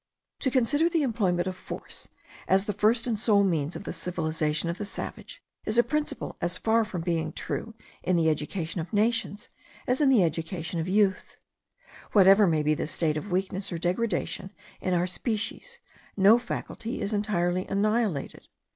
To consider the employment of force as the first and sole means of the civilization of the savage, is a principle as far from being true in the education of nations as in the education of youth. Whatever may be the state of weakness or degradation in our species, no faculty is entirely annihilated.